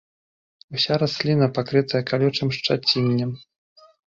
Уся расліна пакрытая калючым шчаціннем.